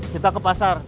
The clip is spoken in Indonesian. kita ke pasar